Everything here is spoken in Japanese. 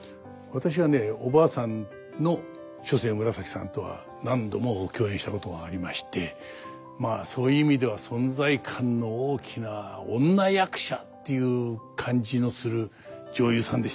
私はねおばあさんの初世紫さんとは何度も共演したことがありましてまあそういう意味では存在感の大きな女役者っていう感じのする女優さんでしたね。